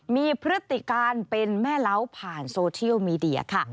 มีพฤติการเป็นแม่เล้าผ่านโซเชียลมีเดียค่ะ